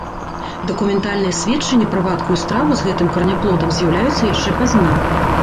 Дакументальныя сведчанні пра вадкую страву з гэтым караняплодам з'яўляюцца яшчэ пазней.